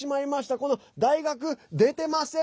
この大学、出てません。